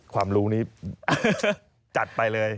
ความรู้นี้จัดไปเลย